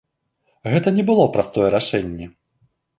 Гэта не было простае рашэнне.